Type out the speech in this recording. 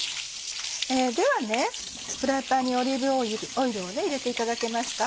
ではフライパンにオリーブオイルを入れていただけますか？